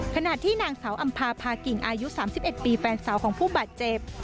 ขณะที่นางสาวอำภาพากิ่งอายุ๓๑ปีแฟนสาวของผู้บาดเจ็บ